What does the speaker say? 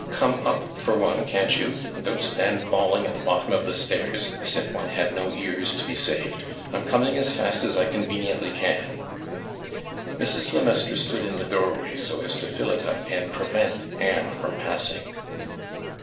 Come up for one, can't you, and don't stand bawling at the bottom of the stairs, as if one had no ears to be saved. I'm coming as fast as I conveniently can.' Mrs. le Maistre stood in the doorway, so as to fill it up, and prevent Anne from passing.